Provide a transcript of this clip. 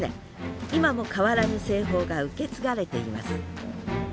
今も変わらぬ製法が受け継がれています。